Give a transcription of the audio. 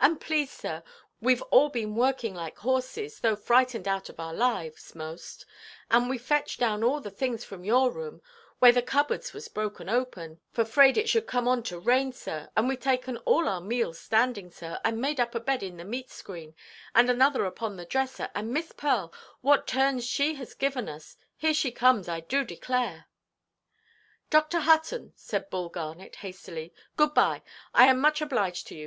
And please, sir, weʼve all been working like horses, though frightened out of our lives 'most; and we fetched down all the things from your room, where the cupboards was broken open, for 'fraid it should come on to rain, sir; and weʼve taken all our meals standing, sir; and made up a bed in the meat–screen, and another upon the dresser; and Miss Pearl, what turns she have given us—— Here she comes, I do declare." "Dr. Hutton," said Bull Garnet, hastily, "good–bye; I am much obliged to you.